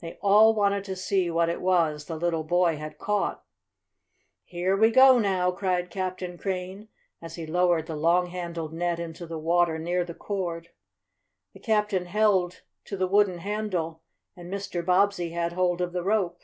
They all wanted to see what it was the little boy had caught. "Here we go, now!" cried Captain Crane, as he lowered the long handled net into the water near the cord. The captain held to the wooden handle, and Mr. Bobbsey had hold of the rope.